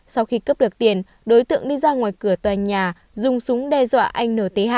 sau khi cướp được tiền đối tượng đi ra ngoài cửa tòa nhà dùng súng đe dọa anh n t h